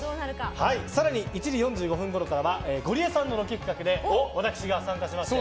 更に１時４５分ごろからはゴリエさんのロケ企画で私が参加しますね。